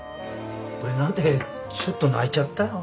俺なんてちょっと泣いちゃったよ。